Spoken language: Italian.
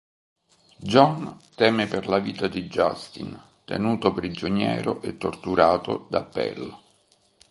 John teme per la vita di Justin, tenuto prigioniero e torturato da Pell.